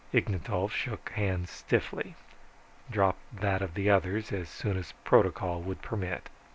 Ignatov shook hands stiffly. Dropped that of the other's as soon as protocol would permit.